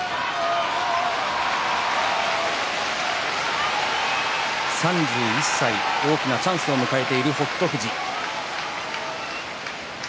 拍手３１歳大きなチャンスを迎えている北勝富士。